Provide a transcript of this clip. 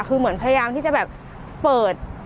คือเหมือนพยายามที่จะแบบเปิด